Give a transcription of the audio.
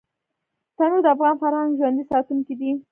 تنور د افغان فرهنګ ژوندي ساتونکی دی